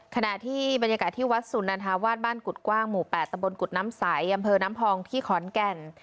ขณะที่บรรยากาศที่วัดสุนันทาวาสบ้านกุฎกว้างหมู่๘ตะบนกุฎน้ำใสอำเภอน้ำพองที่ขอนแก่น